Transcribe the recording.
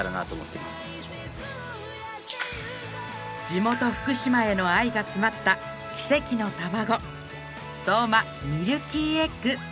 地元福島への愛が詰まった奇跡の卵相馬ミルキーエッグ